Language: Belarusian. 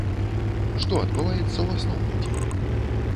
Што адбываецца ў асноўны дзень?